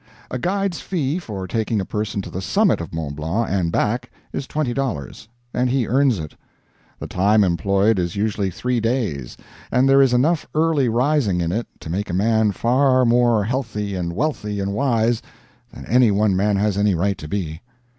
A guide's fee for taking a person to the summit of Mont Blanc and back, is twenty dollars and he earns it. The time employed is usually three days, and there is enough early rising in it to make a man far more "healthy and wealthy and wise" than any one man has any right to be.